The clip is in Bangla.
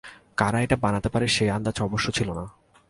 কারা এটা বানাতে পারে সে আন্দাজ অবশ্য ছিল না।